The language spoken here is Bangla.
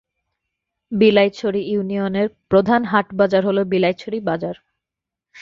বিলাইছড়ি ইউনিয়নের প্রধান হাট-বাজার হল বিলাইছড়ি বাজার।